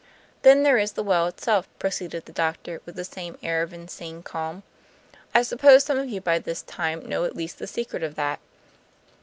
"Then there is the well itself," proceeded the doctor, with the same air of insane calm. "I suppose some of you by this time know at least the secret of that.